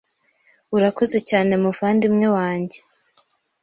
urakoze cyane muvandimwe wanjye